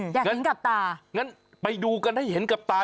เห็นกับตางั้นไปดูกันให้เห็นกับตา